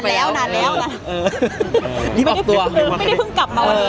ไม่ได้เพิ่งกลับมาวันนี้เลยค่ะ